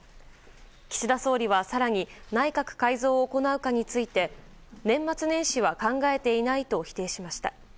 岸田総理は更に内閣改造を行うかについて年末年始は考えていないと否定しました。